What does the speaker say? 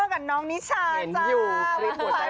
กับน้องนิชาจ้า